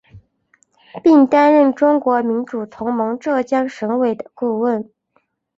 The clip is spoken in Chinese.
并担任中国民主同盟浙江省委的顾问。